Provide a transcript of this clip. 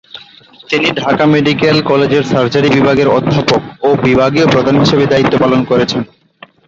তিনি ঢাকা মেডিকেল কলেজের সার্জারি বিভাগের অধ্যাপক ও বিভাগীয় প্রধান হিসেবে দায়িত্ব পালন করেছেন।